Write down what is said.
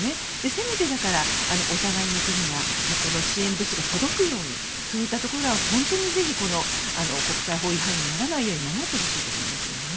せめて、だからお互いの国が支援物資が届くようにそういったところは本当にぜひ国際法違反にならないように守ってほしいと思いますよね。